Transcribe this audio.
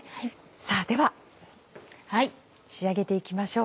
さぁでは仕上げて行きましょう。